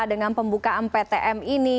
dengan pembukaan ptm ini